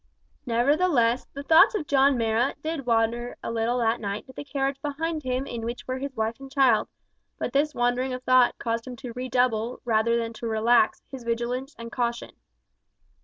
Nevertheless, the thoughts of John Marrot did wander a little that night to the carriage behind him in which were his wife and child, but this wandering of thought caused him to redouble rather than to relax his vigilance and caution.